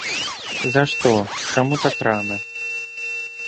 За што, чаму так рана?